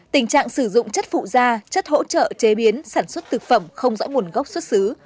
tình trạng sử dụng chất phụ da chất hỗ trợ chế biến sản xuất thực phẩm không rõ nguồn gốc xuất xứ